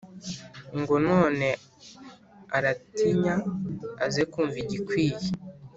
Ngo none aratinyaAze kumva igikwiye